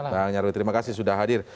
bang nyarwi terima kasih sudah hadir